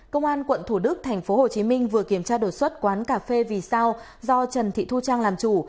công an quận thủ đức tp hcm vừa kiểm tra đột xuất quán cà phê vì sao do trần thị thu trang làm chủ